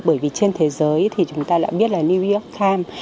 bởi vì trên thế giới thì chúng ta đã biết là new york times